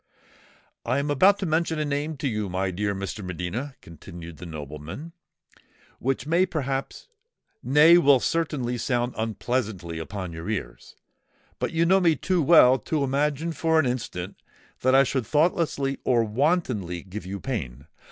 "I am about to mention a name to you, my dear Mr. de Medina," continued the nobleman, "which may perhaps—nay, will certainly sound unpleasantly upon your ears; but you know me too well to imagine for an instant that I should thoughtlessly or wantonly give you pain.